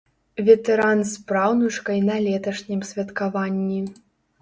Ветэран з праўнучкай на леташнім святкаванні.